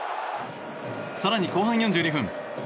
更に後半４２分。